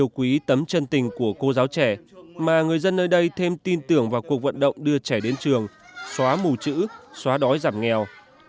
quý tấm chân tình của cô giáo trẻ mà người dân nơi đây thêm tin tưởng vào cuộc vận động đưa trẻ đến trường xóa mù chữ xóa đói giảm nghèo